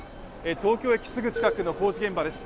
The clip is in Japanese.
東京駅すぐ近くの工事現場です。